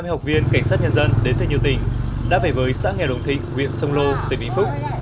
một trăm hai mươi học viên cảnh sát nhân dân đến từ nhiều tỉnh đã về với xã nghèo đồng thịnh huyện sông lô tỉnh vĩnh phúc